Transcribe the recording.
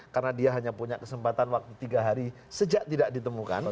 karena dia hanya punya kesempatan waktu tiga hari sejak tidak ditemukan